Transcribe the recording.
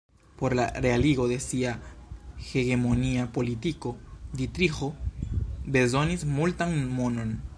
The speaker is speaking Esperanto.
Por la realigo de sia hegemonia politiko Ditriĥo bezonis multan monon.